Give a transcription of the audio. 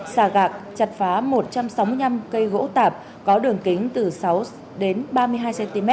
xà gạc chặt phá một trăm sáu mươi năm cây gỗ tạp có đường kính từ sáu đến ba mươi hai cm